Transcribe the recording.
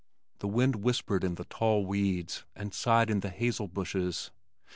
The wind whispered in the tall weeds, and sighed in the hazel bushes.